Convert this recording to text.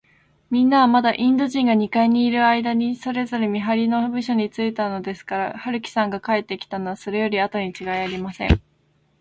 みんなは、まだインド人が二階にいるあいだに、それぞれ見はりの部署についたのですから、春木さんが帰ってきたのは、それよりあとにちがいありません。